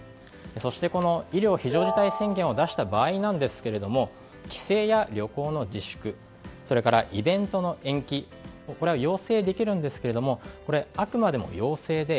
そして、この医療非常事態宣言を出した場合なんですが帰省や旅行の自粛それからイベントの延期要請できるんですがこれはあくまでも要請で